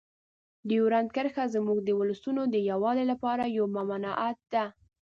ډیورنډ کرښه زموږ د ولسونو د یووالي لپاره یوه ممانعت ده.